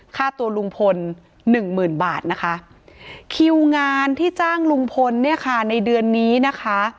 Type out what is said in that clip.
ค่าตัวลุงพลหนึ่งหมื่นบาทนะคะคิวงานที่จ้างลุงพลเนี่ยค่ะในเดือนนี้นะคะ